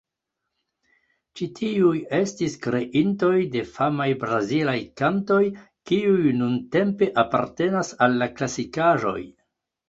Ĉi tiuj estis kreintoj de famaj brazilaj kantoj, kiuj nuntempe apartenas al la klasikaĵoj.